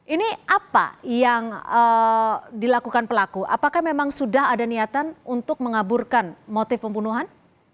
ini apa yang dilakukan pelaku apakah memang sudah ada niatan untuk mengaburkan motif pembunuhan